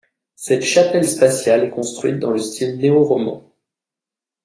Cette chapelle spatiale est construite dans le style néo-roman.